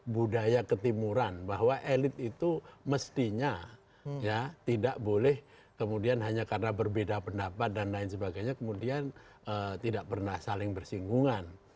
budaya ketimuran bahwa elit itu mestinya tidak boleh kemudian hanya karena berbeda pendapat dan lain sebagainya kemudian tidak pernah saling bersinggungan